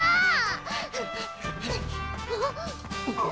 あっ！